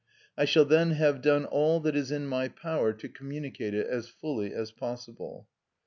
I shall then have done all that is in my power to communicate it as fully as possible.